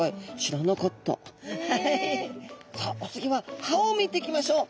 さあお次は歯を見ていきましょう。